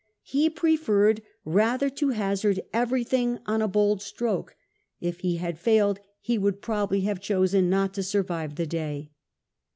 He preferred rather to hazard everything on a bold stroke : if he had failed, he would probably have chosen not to survive the day.